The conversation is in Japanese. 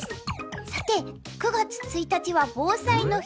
さて９月１日は防災の日。